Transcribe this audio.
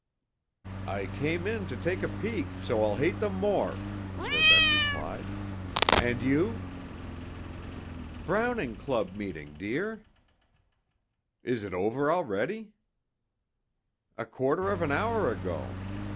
"I came in to take a peek so I'll hate them more," Verbeck replied. "And you?" "Browning Club meeting, dear." "It is over already?" "A quarter of an hour ago.